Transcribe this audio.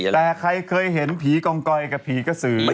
แต่ใครเคยเห็นผีกองกอยกับผีกระสือ